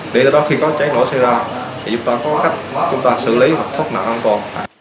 để đó khi có cháy nổ xảy ra thì chúng ta có cách chúng ta xử lý hoặc thoát nạn an toàn